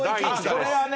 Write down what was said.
これはね